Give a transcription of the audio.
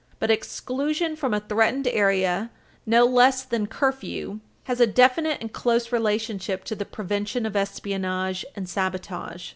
But exclusion from a threatened area, no less than curfew, has a definite and close relationship to the prevention of espionage and sabotage.